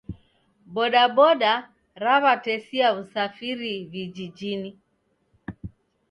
Bodaboda raw'atesia w'usafiri vijijinyi